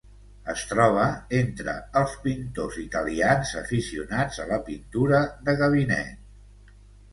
Es troba entre els pintors italians aficionats a la pintura de gabinet.